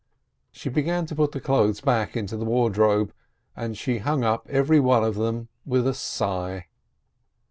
She began to put the clothes back into the ward robe, and she hung up every one of them with a sigh.